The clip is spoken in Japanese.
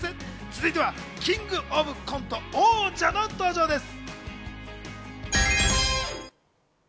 続いてはキングオブコント王者の登場です。